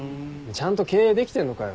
ちゃんと経営できてんのかよ。